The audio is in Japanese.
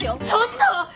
ちょっと！